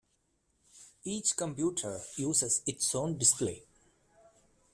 Each computer uses its own display.